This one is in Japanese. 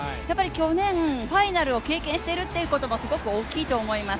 去年、ファイナルを経験しているということもすごく大きいと思います。